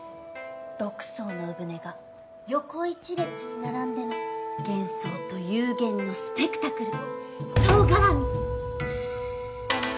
６艘の鵜舟が横一列に並んでの幻想と幽玄のスペクタクル。